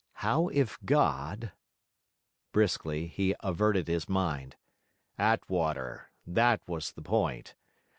How if God...? Briskly, he averted his mind. Attwater: that was the point.